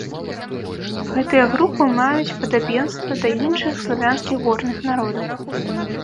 Гэтыя групы маюць падабенства да іншых славянскіх горных народаў.